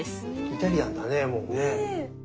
イタリアンだねもうね。